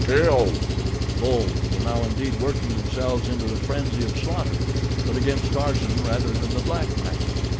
Kill!" The bulls were now indeed working themselves into the frenzy of slaughter; but against Tarzan rather than the black man.